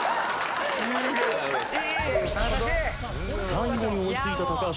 最後に追いついた橋君。